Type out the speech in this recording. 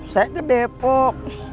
saya ke depok